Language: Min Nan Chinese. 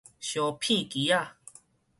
燒片機仔